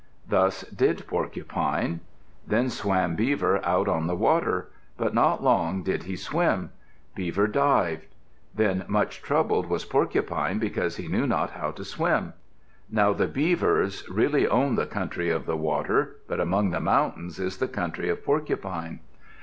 Thus did Porcupine. Then swam Beaver out on the water. But not long did he swim. Beaver dived. Then much troubled was Porcupine because he knew not how to swim. Now the Beavers really own the country of the water, but among the mountains is the country of Porcupine.